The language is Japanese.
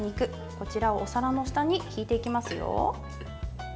こちらをお皿の下に敷いていきますよ。